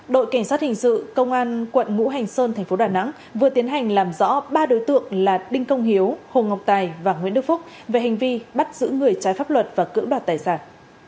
đội cảnh sát hình sự công an quận ngũ hành sơn thành phố đà nẵng vừa tiến hành làm rõ ba đối tượng là đinh công hiếu hồ ngọc tài và nguyễn đức phúc về hành vi bắt giữ người trái pháp luật và cưỡng đoạt tài sản